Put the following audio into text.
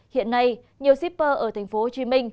hiện nay nhiều shipper ở tp hcm